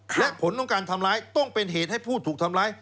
และผลของการทำร้ายต้องเป็นเหตุให้ผู้ถูกทำร้าย